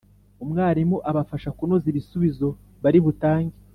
umwarimu abafasha kunoza ibisubizo bari butange